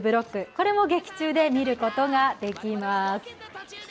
これも劇中で見ることができます。